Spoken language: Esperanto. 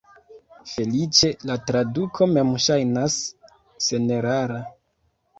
Feliĉe, la traduko mem ŝajnas senerara.